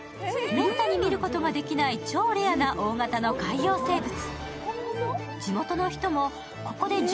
めったに見ることができない超レアな大型な海洋性物。